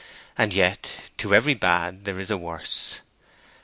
And yet to every bad there is a worse.